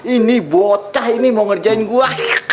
ini bocah ini mau ngerjain gue